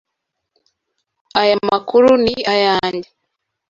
Aya makuru ni ayanjye.